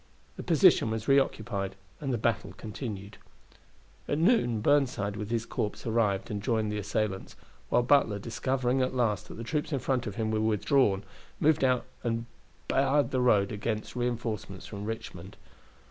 The position was reoccupied and the battle continued. At noon Burnside with his corps arrived and joined the assailants; while Butler, discovering at last that the troops in front of him were withdrawn, moved out and barred the road against reinforcements from Richmond.